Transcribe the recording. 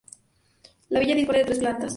La villa dispone de tres plantas.